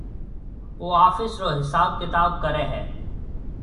او آفس رو حساب ڪتاب ڪرَي ھيََََ